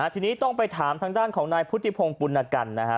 ทีนี้ต้องไปถามทางด้านของนายพุทธิพงศ์ปุณกันนะฮะ